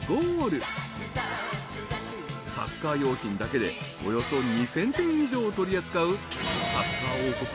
［サッカー用品だけでおよそ２，０００点以上を取り扱うサッカー王国